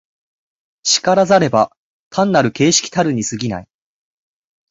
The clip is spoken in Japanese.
然らざれば単なる形式たるに過ぎない。